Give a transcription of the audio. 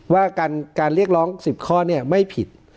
ว่าการเรียกร้อง๑๐ข้อไม่ผิด